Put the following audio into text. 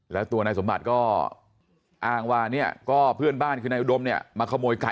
แล้วตัวนายสมบัติก็อ้างว่าเนี่ยก็เพื่อนบ้านคือนายอุดมเนี่ยมาขโมยไก่